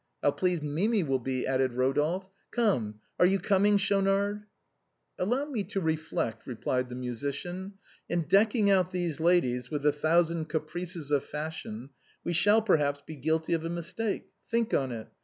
" How pleased Mimi will be," added Eodolphe. " Well, are you coming, Schaunard ?"" Allow me to reflect," replied the musician. "In deck ing out these ladies with the thousand caprices of fashion, THE TOILETTE OF THE GRACES. 219 we shall perhaps be guilty of a mistake. Think on it.